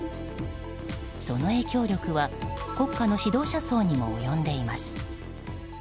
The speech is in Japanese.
その影響力は国家の指導者層にも及んでいます。